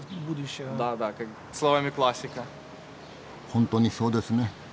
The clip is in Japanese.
本当にそうですね。